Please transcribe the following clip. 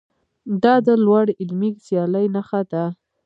دا د لوړې علمي سیالۍ نښه ده.